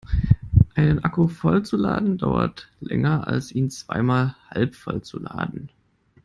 Einen Akku voll zu laden dauert länger als ihn zweimal halbvoll zu laden.